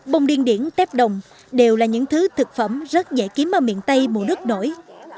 bông điên điển tép đồng đều là những thứ thực phẩm rất dễ kiếm ở miền tây mùa nước nổi